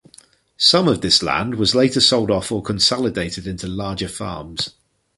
Some of this land was later sold off or consolidated into larger farms.